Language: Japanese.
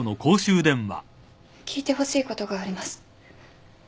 聞いてほしいことがあります。